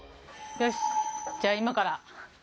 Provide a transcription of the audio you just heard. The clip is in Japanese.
よしじゃあ今から。